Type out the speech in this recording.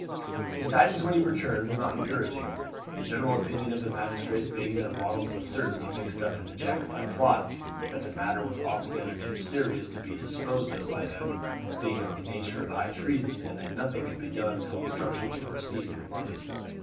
His tidings when he returned were not encouraging; the general opinion of the magistrates being that Ronald was certainly mixed up in the Jacobite plot, that the matter was altogether too serious to be disposed of by them, being of the nature of high treason, and that nothing could be done until instructions were received from London.